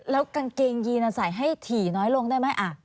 แล้วกางเกงยีนใส่ให้ถี่น้อยลงได้ไหม